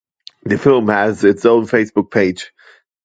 The film has its own Facebook page.